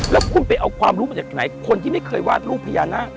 แล้วคุณไปเอาความรู้มาจากไหนคนที่ไม่เคยวาดรูปพญานาค